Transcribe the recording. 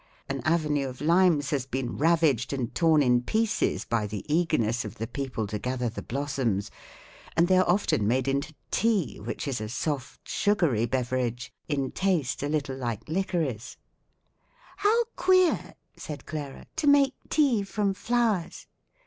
An avenue of limes has been ravaged and torn in pieces by the eagerness of the people to gather the blossoms, and they are often made into tea which is a soft sugary beverage in taste a little like licorice.'" "How queer," said Clara, "to make tea from flowers!"